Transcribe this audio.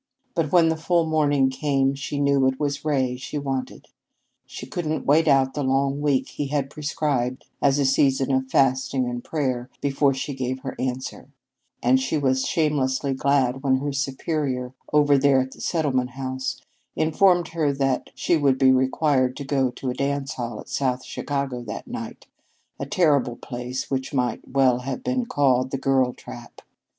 But when the full morning came she knew it was Ray she wanted. She couldn't wait out the long week he had prescribed as a season of fasting and prayer before she gave her answer, and she was shamelessly glad when her superior, over there at the Settlement House, informed her that she would be required to go to a dance hall at South Chicago that night a terrible place, which might well have been called "The Girl Trap."